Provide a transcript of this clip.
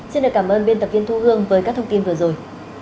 xin được cảm ơn biên tập viên thu hương với các thông tin vừa rồi